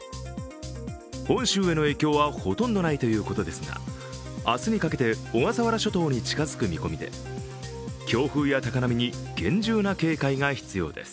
本州への影響はほとんどないということですが明日にかけて小笠原諸島に近づく見込みで強風や高波に厳重な警戒が必要です。